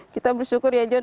kita bersyukur ya john